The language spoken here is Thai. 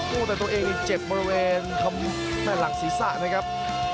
มีเจ็บบริเวณแม่หลังศีรษะนะครับ